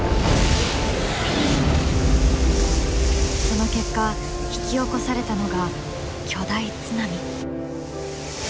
その結果引き起こされたのが巨大津波。